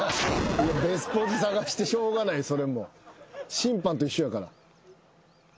審判と一緒やから。